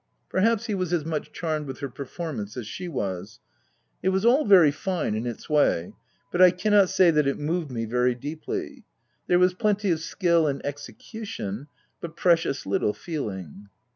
Perhaps, he was as much charmed with her performance as she was. It was all very fine in its way ; but I cannot say that it moved me very deeply. There was plenty of skill and execution, but precious little feeling.